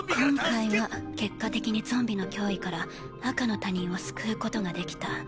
今回は結果的にゾンビの脅威からあかの他人を救うことができた。